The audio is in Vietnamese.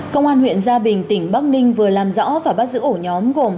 công an huyện gia bình tỉnh bắc ninh vừa làm rõ và bắt giữ ổ nhóm gồm hai đối tượng